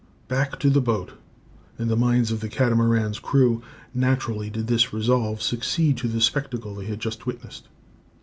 Back to the boat! In the minds of the Catamaran's crew naturally did this resolve succeed to the spectacle they had just witnessed.